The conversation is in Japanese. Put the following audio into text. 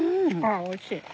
あっおいしい。